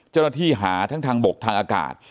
เจ้าหน้าที่หาทั้งทางบกทางอากาศ